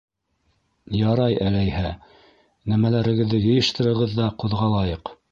- Ярай әләйһә, нәмәләрегеҙҙе йыйыштырығыҙ ҙа, ҡуҙғалайыҡ.